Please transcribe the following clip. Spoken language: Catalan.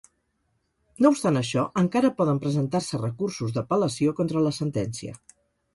No obstant això, encara poden presentar-se recursos d’apel·lació contra la sentència.